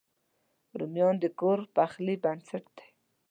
رومیان د کور پخلي بنسټ دی